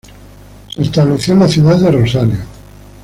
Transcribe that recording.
Se estableció en la ciudad de Rosario.